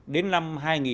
đến năm hai nghìn hai mươi